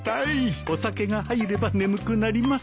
お酒が入れば眠くなります。